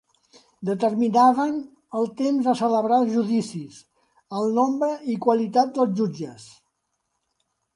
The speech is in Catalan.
Determinaven el temps a celebrar els judicis, el nombre i qualitats dels jutges.